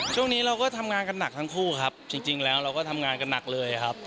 ช่วงนี้เราก็ทำงานกันหนักทั้งคู่ครับจริงแล้วเราก็ทำงานกันหนักเลยครับ